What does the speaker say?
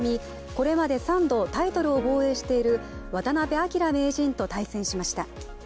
これまで３度タイトルを防衛している渡辺明名人と対戦しました。